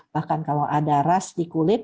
bahkan kalau ada ras di kulit